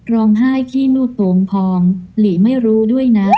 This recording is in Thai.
ร้องไห้ขี้นูดโป่งพองหลีไม่รู้ด้วยนะ